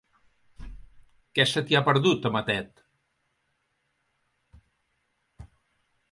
Què se t'hi ha perdut, a Matet?